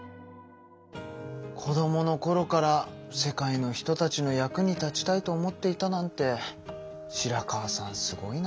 子どものころから世界の人たちの役に立ちたいと思っていたなんて白川さんすごいな。